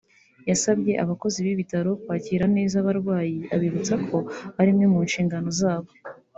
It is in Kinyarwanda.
yasabye abakozi b’ibi bitaro kwakira neza abarwayi abibutsa ko ari imwe mu nshingano zabo